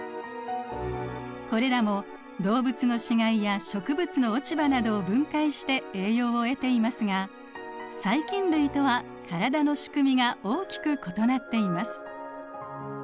これらも動物の死骸や植物の落ち葉などを分解して栄養を得ていますが細菌類とは体の仕組みが大きく異なっています。